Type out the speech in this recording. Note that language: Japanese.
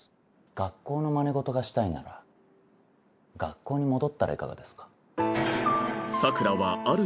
学校のまね事がしたいなら学校に戻ったらいかがですか？